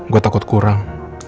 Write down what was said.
gue takut kurang